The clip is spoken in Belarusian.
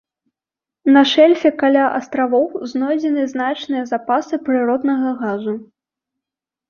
На шэльфе каля астравоў знойдзены значныя запасы прыроднага газу.